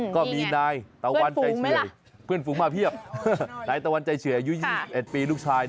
ก็มีนายตะวันใจเฉื่อยเพื่อนฝูงมาเพียบนายตะวันใจเฉื่อยอายุ๒๑ปีลูกชาย